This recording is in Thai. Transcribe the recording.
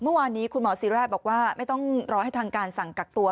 เมื่อวานนี้คุณหมอศิราชบอกว่าไม่ต้องรอให้ทางการสั่งกักตัว